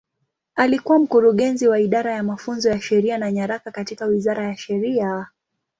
Alikuwa Mkurugenzi wa Idara ya Mafunzo ya Sheria na Nyaraka katika Wizara ya Sheria.